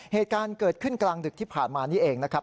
เหตุการณ์เกิดขึ้นกลางดึกที่ผ่านมานี่เองนะครับ